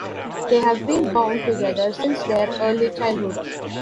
They have been bound together since their early childhood.